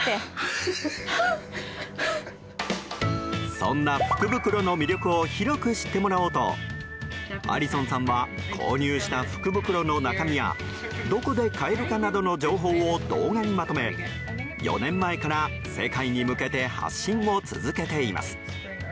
そんな福袋の魅力を広く知ってもらおうとアリソンさんは購入した福袋の中身やどこで買えるかなどの情報を動画にまとめ４年前から世界に向けて発信を続けています。